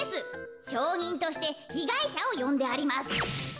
しょうにんとしてひがいしゃをよんであります。